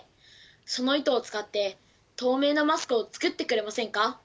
その糸を使って透明なマスクを作ってくれませんか？